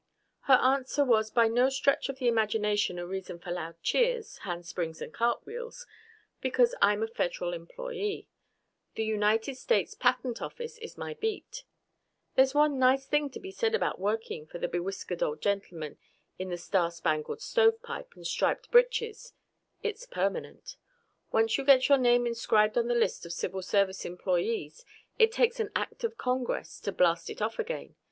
Her answer was by no stretch of the imagination a reason for loud cheers, handsprings and cartwheels. Because I'm a Federal employee. The United States Patent Office is my beat. There's one nice thing to be said about working for the bewhiskered old gentleman in the star spangled stovepipe and striped britches: it's permanent. Once you get your name inscribed on the list of Civil Service employees it takes an act of Congress to blast it off again.